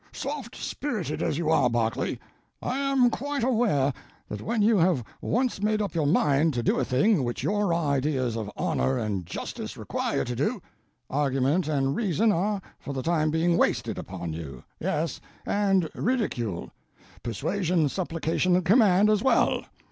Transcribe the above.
"Soft spirited as you are, Berkeley, I am quite aware that when you have once made up your mind to do a thing which your ideas of honor and justice require you to do, argument and reason are (for the time being,) wasted upon you—yes, and ridicule; persuasion, supplication, and command as well.